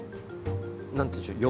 何というんでしょう横？